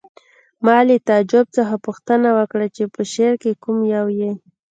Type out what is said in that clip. ما له تعجب څخه پوښتنه وکړه چې په شعر کې کوم یو یې